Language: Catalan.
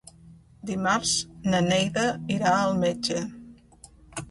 Dimarts na Neida irà al metge.